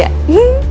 mau ketemu raja